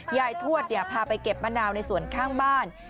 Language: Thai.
ทวดพาไปเก็บมะนาวในส่วนข้างบ้าน